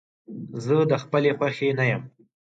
زه د خپلې خوښې نه يم.